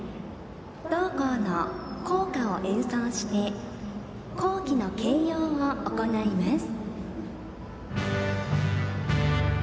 同校の校歌を演奏して校旗の掲揚を行います。